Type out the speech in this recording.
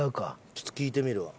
ちょっと聞いてみるわ。